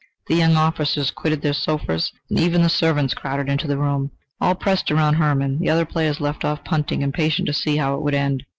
The young officers quitted their sofas, and even the servants crowded into the room. All pressed round Hermann. The other players left off punting, impatient to see how it would end.